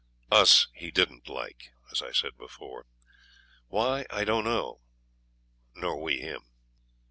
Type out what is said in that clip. Us he didn't like, as I said before why, I don't know nor we him.